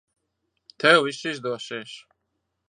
Tev viss izdosies.